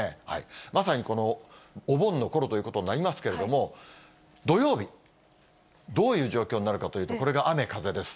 まさにこのお盆のころということになりますけれども、土曜日、どういう状況になるかというと、これが雨風です。